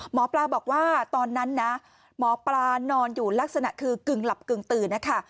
หมอปลาบอกว่าตอนนั้นนะหมอปลานอนอยู่ลักษณะคือกึ่งหลับกึ่งตื่นนะคะ